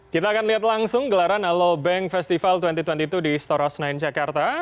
kita akan lihat langsung gelaran alo bank festival dua ribu dua puluh dua di storehouse sembilan jakarta